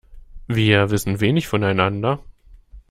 Wir wissen wenig voneinander.